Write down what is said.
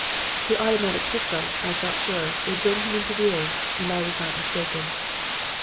The automatic pistol, I felt sure, would bring him into view; and I was not mistaken.